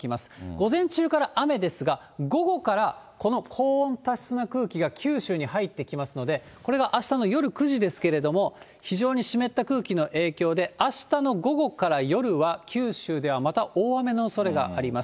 午前中から雨ですが、午後からこの高温多湿な空気が九州に入ってきますので、これがあしたの夜９時ですけれども、非常に湿った空気の影響で、あしたの午後から夜は九州はまた大雨のおそれがあります。